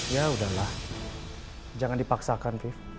ya udahlah jangan dipaksakan tuh